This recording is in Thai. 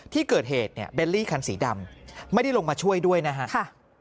ที่เกิดเหตุเบนลี่คันสีดำไม่ได้ลงมาช่วยด้วยนะฮะ